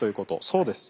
そうです。